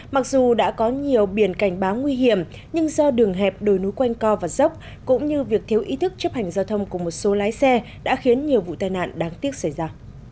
mặc dù đã có nhiều biển cảnh báo nguy hiểm nhưng do đường hẹp đồi núi quanh co và dốc cũng như việc thiếu ý thức chấp hành giao thông của một số lái xe đã khiến nhiều vụ tai nạn đáng tiếc xảy ra